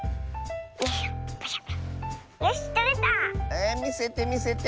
えみせてみせて！